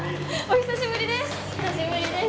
お久しぶりです。